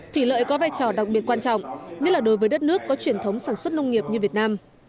thủy lợi có vai trò đặc biệt quan trọng nhất là đối với đất nước có truyền thống sản xuất nông nghiệp như việt nam